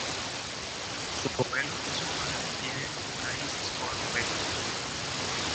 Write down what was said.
Su abuelo y su padre tienen raíces cordobesas.